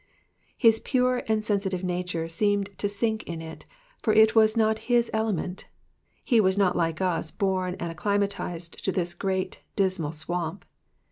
His pure and sensitive nature seemed to sink in it, for it was not his element, he was not like us born and acclimatised to this great dismal swamp.